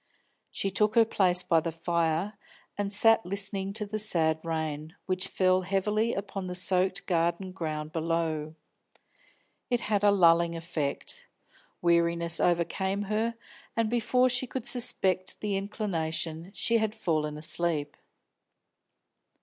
She took her place by the fire, and sat listening to the sad rain, which fell heavily upon the soaked garden ground below. It had a lulling effect. Weariness overcame her, and before she could suspect the inclination, she had fallen asleep.